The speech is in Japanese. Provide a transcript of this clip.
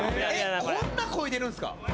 こんな漕いでるんすか。